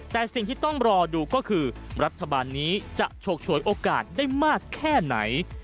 แต่สิ่งที่ต้องรอดูก็คือรัฐบาลนี้จะฉกฉวยโอกาสได้มากแค่ไหน